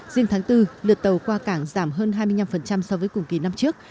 riêng tháng bốn lượt tàu qua cảng giảm hơn hai mươi năm so với cùng kỳ năm trước